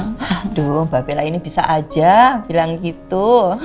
aduh mbak bella ini bisa aja bilang gitu